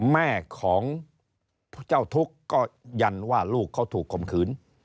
แม่ของเจ้าทุกข์ก็ยันว่าลูกเขาถูกคมขืน